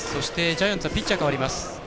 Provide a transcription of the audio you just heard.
ジャイアンツはピッチャー代わります。